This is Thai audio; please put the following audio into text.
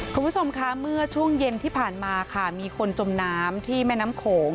คุณผู้ชมคะเมื่อช่วงเย็นที่ผ่านมาค่ะมีคนจมน้ำที่แม่น้ำโขง